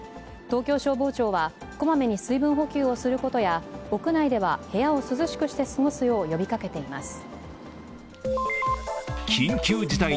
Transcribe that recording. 東京消防庁は、小まめに水分補給することや屋内では部屋を涼しくして過ごすよう呼びかけています。